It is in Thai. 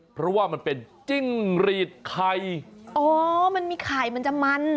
เพราะว่ามันเป็นจิ้งรีดไข่อ๋อมันมีไข่มันจะมัน